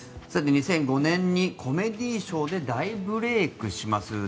２００５年にコメディーショーで大ブレークします。